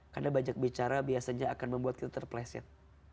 karena banyak bicara biasanya akan membuat kita terpleset